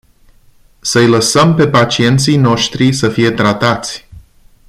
Să-i lăsăm pe pacienții noștri să fie tratați.